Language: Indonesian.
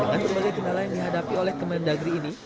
hanya sebagai kendala yang dihadapi oleh kementerian negeri ini